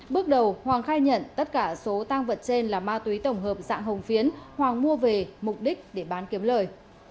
bước đầu hoàng khai nhận tất cả số tang vật trên là ma túy tổng hợp dạng hồng phiến hoàng mua về mục đích để bán kiếm lời